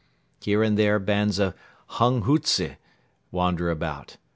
Here and there bands of hunghutze wander about.